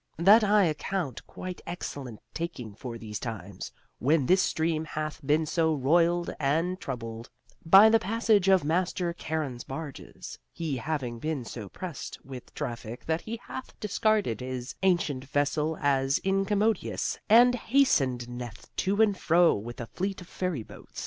That I account quite excellent taking for these times, when this stream hath been so roiled and troubled by the passage of Master Charon's barges, he having been so pressed with traffic that he hath discarded his ancient vessel as incommodious and hasteneth to and fro with a fleet of ferryboats.